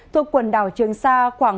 thuộc quần đảo trường sa